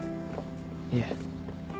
いえ。